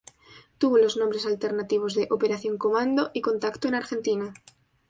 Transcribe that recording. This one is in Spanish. Tuvo los nombres alternativos de "Operación Comando" y "Contacto en Argentina".